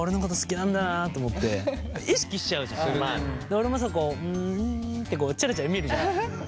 俺もさこうん？ってチラチラ見るじゃん。